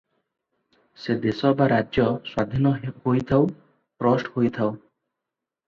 ସେ ଦେଶ ବା ରାଜ୍ୟ ସ୍ୱାଧୀନ ହୋଇଥାଉ ଟ୍ରଷ୍ଟ ହୋଇଥାଉ ।